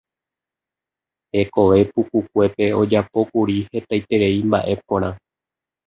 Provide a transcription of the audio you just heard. Hekove pukukuépe ojapókuri hetaiterei mba'e porã.